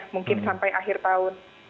mungkin sampai akhir tahun